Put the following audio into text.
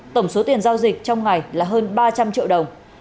tổng số tiền giao dịch trong ngày là hơn ba trăm linh triệu đồng